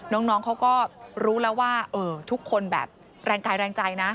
น้องเขาก็รู้แล้วว่าทุกคนแบบแรงกายแรงใจนะ